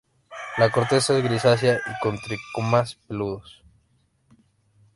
La corteza es grisácea y con tricomas peludos.